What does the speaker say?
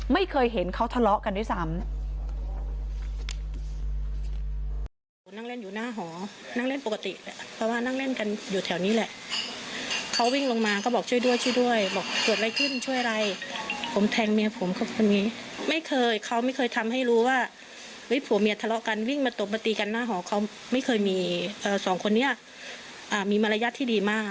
ไม่เคยเห็นเขาทะเลาะกันด้วยซ้ำ